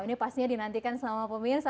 ini pastinya dinantikan sama pemirsa